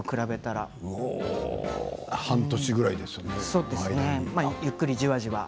半年ぐらいですよね。